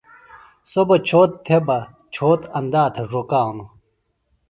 سوۡ بہ چھوت تھےۡ بہ چھوت اندا تھےۡ ڙوکانوۡ